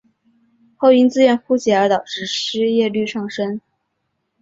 后因资源枯竭而导致失业率上升。